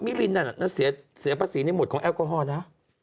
มิรินทร์นั้นเสียภาษีในหมวดของแอลกอฮอล์นะ